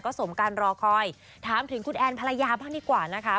สมการรอคอยถามถึงคุณแอนภรรยาบ้างดีกว่านะคะ